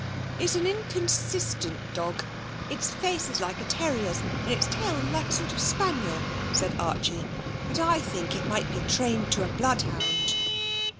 'It's an inconsistent dog. Its face is like a terrier's, and its tail like a sort of spaniel,' said Archie. 'But I think it might be trained to a bloodhound.'